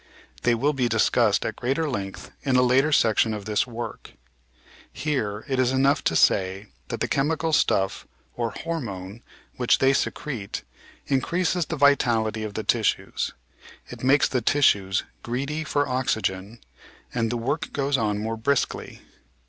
They will be discussed at greater length in a later section of this work. Here it is enough to say that the chemical stuff, or "hormone," which they secrete increases the vitality of the tissues; it makes the tissues "greedy for oxygen," and the work goes on more briskly.